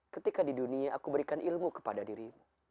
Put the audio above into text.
ketika di dunia aku berikan ilmu kepada dirimu